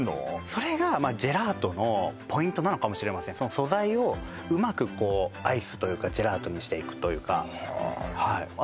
それがまあジェラートのポイントなのかもしれません素材をうまくアイスというかジェラートにしていくというかはあ